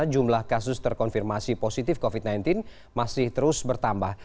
jumlah kasus terkonfirmasi positif covid sembilan belas masih terus bertambah